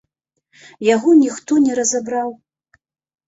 Яго ніхто не разабраў.